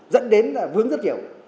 dẫn đến là vướng rất nhiều